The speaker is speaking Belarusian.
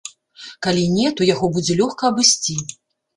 Калі не, то яго будзе лёгка абысці.